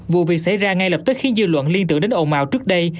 vụ việc xảy ra ngay lập tức khi dư luận liên tưởng đến ồn mào trước đây